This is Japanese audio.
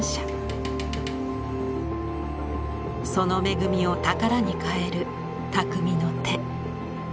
その恵みを宝に変える匠の手。